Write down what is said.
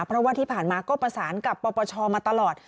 เพราะว่าที่ผ่านมาก็ประสานกับปปชมาตลอด